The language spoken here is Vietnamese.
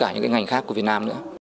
những cái ngành khác của việt nam nữa